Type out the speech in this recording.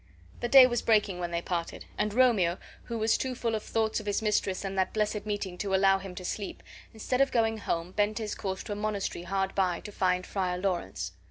The day was breaking when they parted, and Romeo, who was too full of thoughts of his mistress and that blessed meeting to allow him to sleep, instead of going home, bent his course to a monastery hard by, to find Friar Lawrence.